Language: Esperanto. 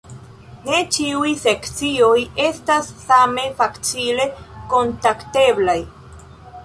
Ne ĉiuj sekcioj estas same facile kontakteblaj.